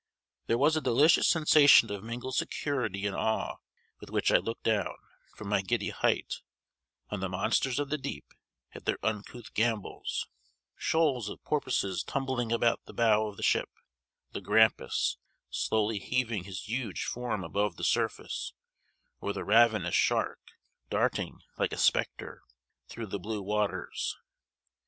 There was a delicious sensation of mingled security and awe with which I looked down, from my giddy height, on the monsters of the deep at their uncouth gambols: shoals of porpoises tumbling about the bow of the ship; the grampus, slowly heaving his huge form above the surface; or the ravenous shark, darting, like a spectre, through the blue waters.